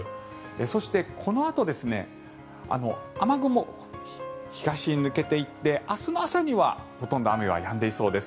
そしてこのあと雨雲、東に抜けて行って明日の朝にはほとんど雨はやんでいそうです。